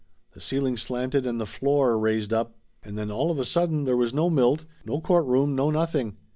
The ceiling slanted and the floor raised up. And then all of a sudden there was no Milt, no court room, no nothing.